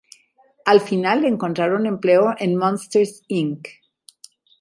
Al final, encontraron empleo en Monsters, Inc.